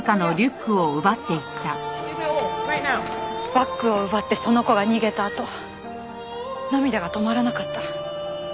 バッグを奪ってその子が逃げたあと涙が止まらなかった。